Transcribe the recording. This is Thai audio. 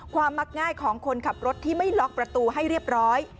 มักง่ายของคนขับรถที่ไม่ล็อกประตูให้เรียบร้อย